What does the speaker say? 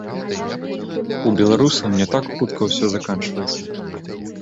У беларусаў не так хутка ўсё заканчваецца.